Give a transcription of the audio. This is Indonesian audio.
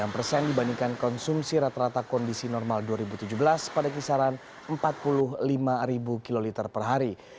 enam persen dibandingkan konsumsi rata rata kondisi normal dua ribu tujuh belas pada kisaran empat puluh lima ribu kiloliter per hari